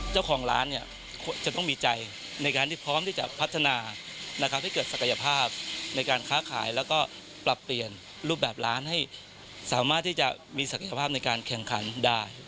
เจ้าของร้านจะต้องมีใจในการที่พร้อมที่จะพัฒนานะครับให้เกิดศักยภาพในการค้าขายแล้วก็ปรับเปลี่ยนรูปแบบร้านให้สามารถที่จะมีศักยภาพในการแข่งขันได้